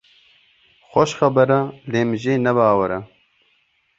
Xweş xeber e lê min jê ne bawer e.